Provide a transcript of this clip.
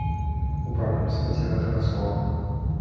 У прамым сэнсе гэтага слова.